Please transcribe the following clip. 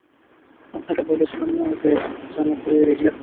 আপনাকে বলেছিলাম না ওকে জামা পরিয়ে রেডি রাখতে?